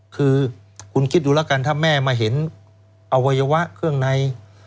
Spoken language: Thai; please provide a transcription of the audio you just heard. คือคุณคิดดูแล้วกันถ้าแม่มาเห็นอวัยวะเครื่องใน